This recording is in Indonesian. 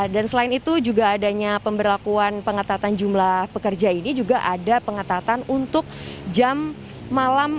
dan selain itu juga adanya pemberlakuan pengatatan jumlah pekerja ini juga ada pengatatan untuk jam malam